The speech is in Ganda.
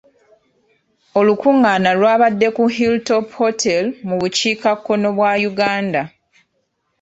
Olukungaana lw'abadde ku Hilltop hotel mu bukiikakkono bwa Uganda.